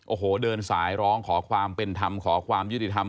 โอ้โหเดินสายร้องขอความเป็นธรรมขอความยุติธรรม